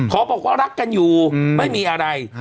บอกว่ารักกันอยู่ไม่มีอะไร